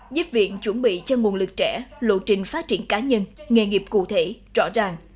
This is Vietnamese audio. giúp viện chuẩn bị cho nguồn lực trẻ lộ trình phát triển cá nhân nghề nghiệp cụ thể rõ ràng